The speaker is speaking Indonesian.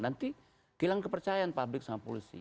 nanti hilang kepercayaan publik sama polisi